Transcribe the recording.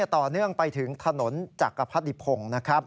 ๑๒ต่อเนื่องไปถึงถนนจักรพฤติพงศ์